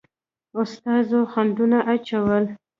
استازو خنډونه اچول.